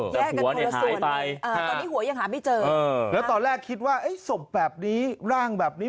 แล้วตอนแรกคิดว่าศพแบบนี้ร่างแบบนี้